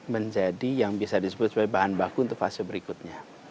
menjadi yang bisa disebut sebagai bahan baku untuk fase berikutnya